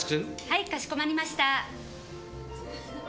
はいかしこまりました。